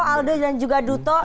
aldo dan juga duto